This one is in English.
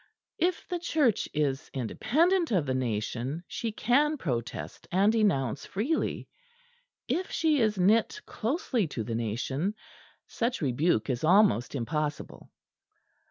If the Church is independent of the nation, she can protest and denounce freely; if she is knit closely to the nation, such rebuke is almost impossible.